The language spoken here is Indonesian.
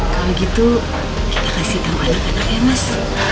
kalau gitu kita kasih tahu anak anak ya mas